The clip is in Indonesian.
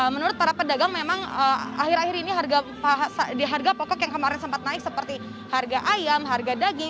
menurut para pedagang memang akhir akhir ini harga pokok yang kemarin sempat naik seperti harga ayam harga daging